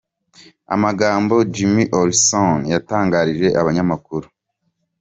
Amagambo Jim Olson yatangarije abanyamakuru.